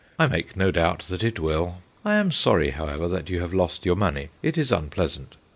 I make no doubt that it will. I am sorry, however, that you have lost your money ; it is unpleasant.